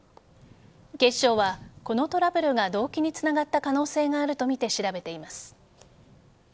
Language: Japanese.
警視庁は、このトラブルが動機につながった可能性があるとみて調べています。